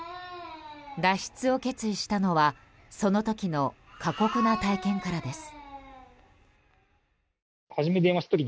脱出を決意したのはその時の過酷な体験からです。